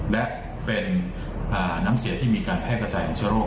และเป็นน้ำเสียที่มีการแพร่กระจายของเชื้อโรค